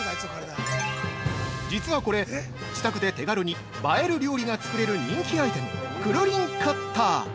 ◆実はこれ、自宅で手軽に映える料理が作れる人気アイテム「くるりんカッター」！